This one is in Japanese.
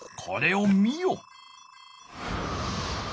これを見よ。